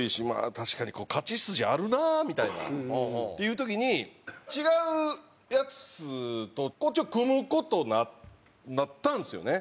確かにこれ勝ち筋あるなみたいな。っていう時に違うヤツと組む事になったんですよね。